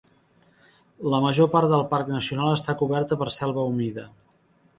La major part del parc nacional està coberta per selva humida.